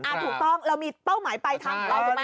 ถูกต้องเรามีเป้าหมายไปทาง